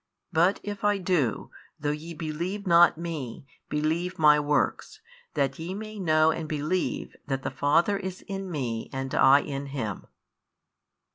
But if I do, though ye believe not Me, believe My works: that ye may know and believe that the Father is in Me and I in Him.